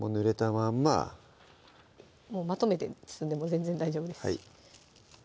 まんまもうまとめて包んでも全然大丈夫です